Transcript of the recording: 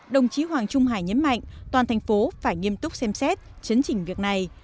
đồng chí hoàng trung hải nhấn mạnh toàn thành phố phải nghiêm túc xem xét chấn chỉnh việc này